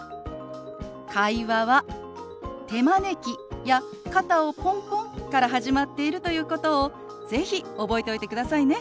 会話は手招きや肩をポンポンから始まっているということを是非覚えておいてくださいね。